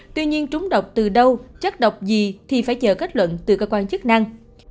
tuy nhiên trúng độc từ đâu chất độc gì thì phải chờ kết luận từ cơ quan chức năng